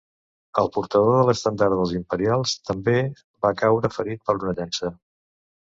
El portador de l'estendard dels imperials també va caure ferit per una llança.